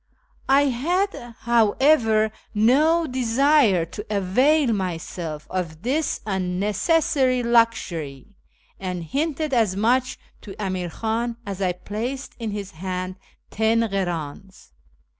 I had, however, no desire to avail myself of this unnecessary luxury, and hinted as much to Amir Khan as I placed in his hand ten krdns.